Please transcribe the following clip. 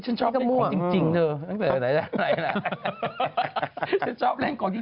ฉันชอบเล่นก่อนจริงที่ฉันไม่ชอบเล่นของเล่น